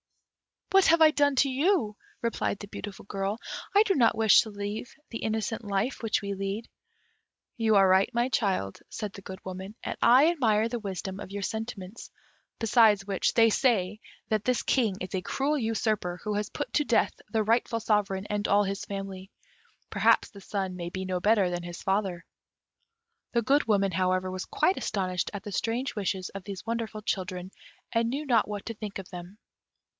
"What have I done to you," replied the beautiful girl. "I do not wish to leave the innocent life which we lead." "You are right, my child," said the Good Woman, "and I admire the wisdom of your sentiments; besides which, they say that this King is a cruel usurper, who has put to death the rightful sovereign and all his family: perhaps the son may be no better than his father." The Good Woman, however, was quite astonished at the strange wishes of these wonderful children, and knew not what to think of them.